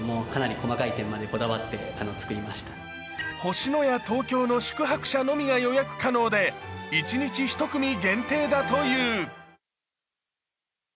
星のや東京の宿泊者のみが予約可能で１日１組限定だという。